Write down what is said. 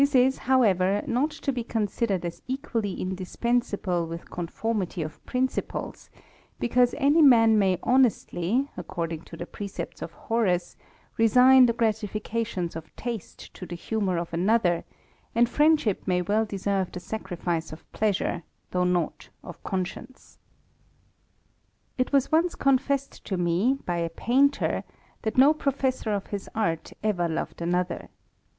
This is, however, not to be considered as equalljf indispensable with conformity of principles, because £ man may honestly, according to the precepts of Horace resign the gratifications of taste to the humour of another and friendship may well deserve the sacrifice of pleasure though not of conscience. It was once confessed to me^ by a painter, that no [ fessor of his art ever loved another.